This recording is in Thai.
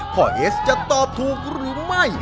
เอสจะตอบถูกหรือไม่